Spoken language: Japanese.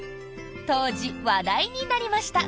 当時、話題になりました。